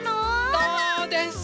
そうです。